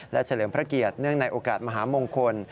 และเฉลิมพระเกียรติเนื่องในโอกาสมหามงคล